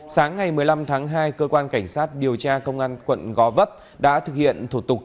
sáng ngày một mươi năm tháng hai cơ quan cảnh sát điều tra công an quận gò vấp đã thực hiện thủ tục